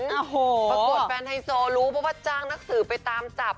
ปรากฏแฟนไฮโซรู้เพราะว่าจ้างนักสื่อไปตามจับ